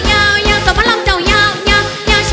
วันยิงพร้อมบอกค่ะคนสอนเขียนมา๑๖ยาว